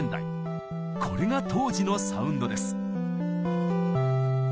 これが当時のサウンドです。